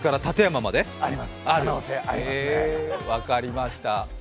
分かりました。